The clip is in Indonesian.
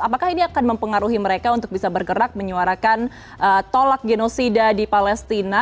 apakah ini akan mempengaruhi mereka untuk bisa bergerak menyuarakan tolak genosida di palestina